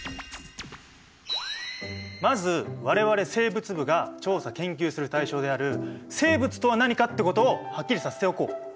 まず我々生物部が調査・研究する対象である生物とは何かってことをはっきりさせておこう。